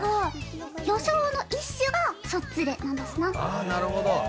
ああなるほど。